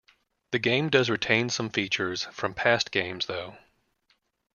The game does retain some features from past games though.